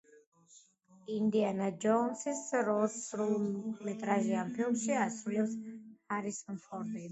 ინდიანა ჯოუნსის როლს სრულმეტრაჟიან ფილმებში ასრულებს ჰარისონ ფორდი.